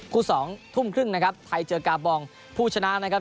สองทุ่มครึ่งนะครับไทยเจอกาบองผู้ชนะนะครับ